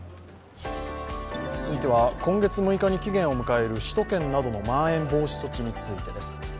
続いては今月６日に期限を迎える首都圏などのまん延防止措置についてです。